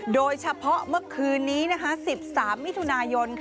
โดยเฉพาะเมื่อคืนนี้๑๓มิถุนายน